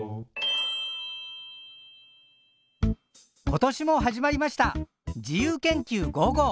今年も始まりました「自由研究５５」。